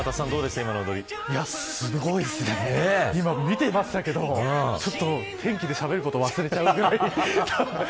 すごいですね今、見ていましたけどちょっと天気でしゃべること忘れちゃうぐらい。